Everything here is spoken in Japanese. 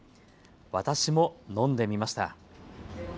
私も飲んでみました。